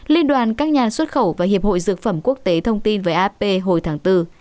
liên đoàn các nhà xuất khẩu và hiệp hội dược phẩm quốc tế thông tin với ap hồi tháng bốn